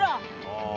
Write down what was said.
あ。